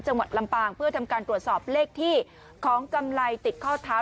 จังหวัดลำปางเพื่อทำการตรวจสอบเลขที่ของกำไรติดข้อเท้า